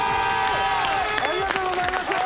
ありがとうございます。